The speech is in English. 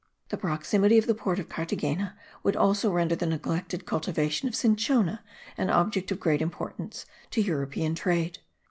The proximity of the port of Carthagena would also render the neglected cultivation of cinchona an object of great importance to European trade.